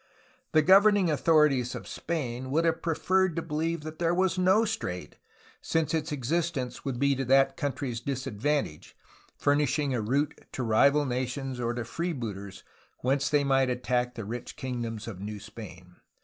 The governing authorities of Spain would have preferred to believe that there was no strait, since its existence would be to that country's disadvantage, furnishing a route to rival nations or to freebooters whence they might attack the rich kingdom of New Spain.